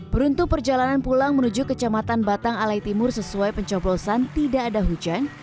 beruntung perjalanan pulang menuju kecamatan batang alai timur sesuai pencoblosan tidak ada hujan